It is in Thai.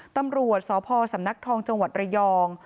ตำรวจสพสำนักทองจังหวัดระยอง